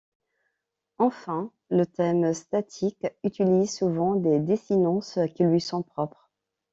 Enfin, le thème statique utilise souvent des désinences qui lui sont propres.